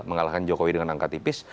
mengalahkan jokowi dengan angka tipis